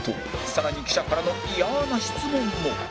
更に記者からのイヤな質問も